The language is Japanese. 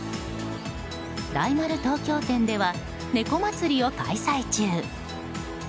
大丸東京店ではネコまつりを開催中。